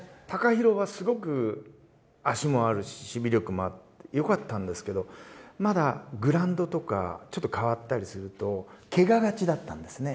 尚広はすごく足もあるし守備力もあって良かったんですけどまだグラウンドとかちょっと変わったりするとケガがちだったんですね